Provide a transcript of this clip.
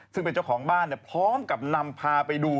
ซึ่งเป็นเจ้าของบ้านพร้อมกับนำพาไปดู